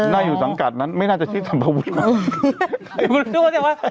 น่าอยู่สังกัดนั้นไม่น่าจะชื่อสัมภวุฒิมั้ง